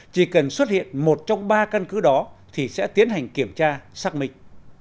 chỉ cần xuất hiện một trong ba căn cứ đó thì sẽ tiến hành kiểm tra xác minh